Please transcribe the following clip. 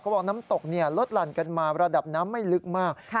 บอกน้ำตกลดหลั่นกันมาระดับน้ำไม่ลึกมาก